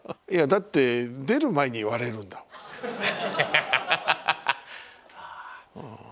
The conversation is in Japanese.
いやだって出る前に言われるんだもん。